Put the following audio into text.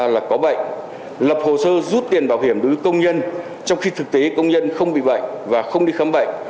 là có bệnh lập hồ sơ rút tiền bảo hiểm đối với công nhân trong khi thực tế công nhân không bị bệnh và không đi khám bệnh